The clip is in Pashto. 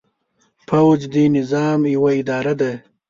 پوځ د نظام یوه اداره ده.